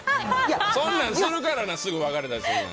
そんなんするからすぐに別れたりするねん。